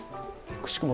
くしくも